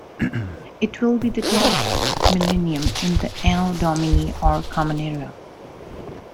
It will be the tenth millennium in the Anno Domini or Common Era.